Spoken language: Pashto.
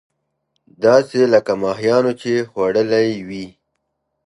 داسې لکه ماهيانو چې خوړلې وي.